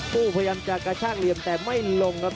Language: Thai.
พยายามจะกระชากเหลี่ยมแต่ไม่ลงครับ